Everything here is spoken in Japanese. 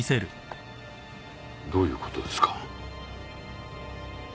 どういうことですか？